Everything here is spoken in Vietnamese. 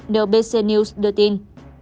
nbc news đưa tin